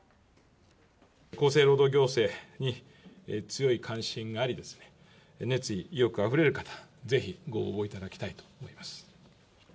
厚生労働行政に強い関心があり、熱意意欲あふれる方、ぜひご応募いただきたいと思います。